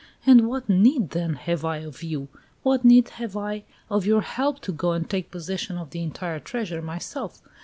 And what need, then, have I of you? What need have I of your help to go and take possession of the entire treasure myself?